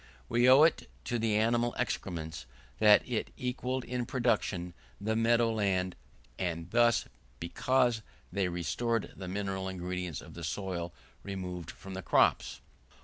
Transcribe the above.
We owe it to the animal excrements, that it equalled in production the meadow land, and this, because they restored the mineral ingredients of the soil removed by the crops.